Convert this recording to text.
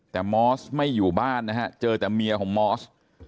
แต่มอสไม่อยู่บ้านนะฮะเจอแต่เมียของมอส